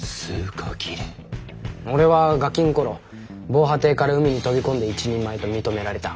俺はガキの頃防波堤から海に飛び込んで一人前と認められた。